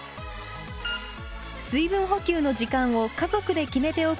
水分補給の時間を家族で決めておくのも重要です。